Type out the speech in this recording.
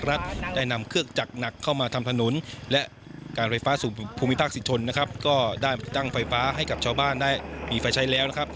รัฐได้นำเครื่องจักรหนักเข้ามาทำถนนและการไฟฟ้าสูงภูมิภาคสิทธนนะครับก็ได้ตั้งไฟฟ้าให้กับชาวบ้านได้มีไฟใช้แล้วนะครับ